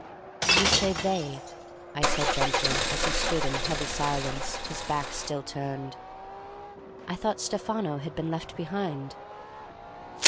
"You say 'they,'" I said gently, as he stood in heavy silence, his back still turned. "I thought Stefano had been left behind?"